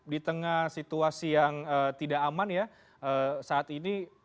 di tengah situasi yang tidak aman ya saat ini